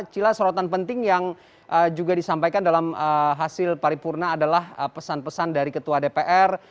cila sorotan penting yang juga disampaikan dalam hasil paripurna adalah pesan pesan dari ketua dpr